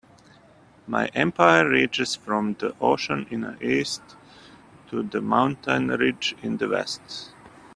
My empire reaches from the ocean in the East to the mountain ridge in the West.